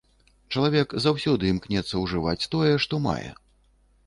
Чалавек заўсёды імкнецца ўжываць тое, што мае.